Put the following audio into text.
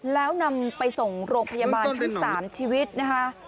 แล้วนำไปส่งโรงพยาบาลทั้ง๓ชีวิตนะคะ